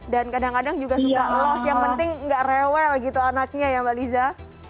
dan kadang kadang juga suka loss yang penting gak rewel gitu anaknya ya mbak liza